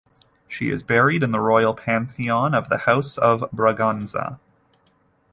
She is buried in the Royal Pantheon of the House of Braganza.